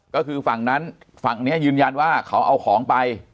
ก็คือฝั่งนั้นฝั่งนี้ยืนยันว่าเขาเอาของไป